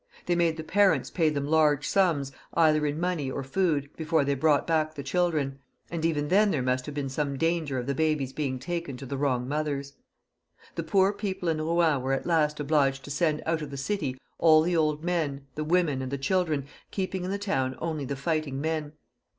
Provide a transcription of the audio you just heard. They made the parents pay them large sums either in money or food, before they brought back the children ; and even then there must have been some danger of the babies being taken to the wrong mothers. The poor people in Eouen were at last obliged to send out of the city all the old men, the women, and the children, keeping in the town only the fighting men.